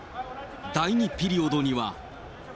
第２ピリオドには。